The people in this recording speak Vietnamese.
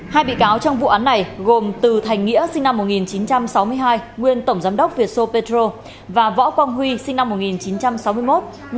hai bị cáo trong vụ án này gồm từ thành nghĩa sinh năm một nghìn chín trăm sáu mươi hai nguyên tổng giám đốc vietso petro và võ quang huy sinh năm một nghìn chín trăm sáu mươi một